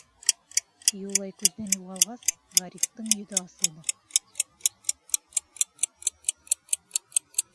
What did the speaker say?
Юлай күҙҙән юғалғас, Ғарифтың йөҙө асылды.